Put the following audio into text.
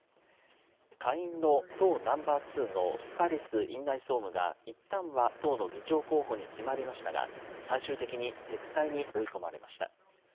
下院の党ナンバーツーのスカリス院内総務がいったんは党の議長候補に決まりましたが、最終的に撤退に追い込まれました。